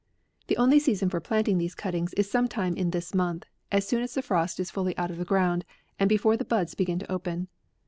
The only season for planting these cut tings is sometime in this month, as soon as the frost is fully out of the ground, and before the buds begin to open.